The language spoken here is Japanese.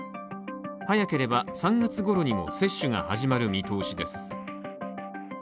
早ければ３月ごろにも接種が始まる見通しです。